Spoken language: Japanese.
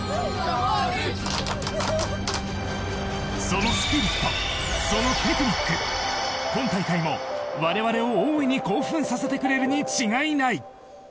そのスピリット、そのテクニック今大会も我々を大いに興奮させてくれるに違いない。